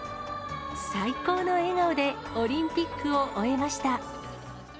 最高の笑顔でオリンピックを終えました。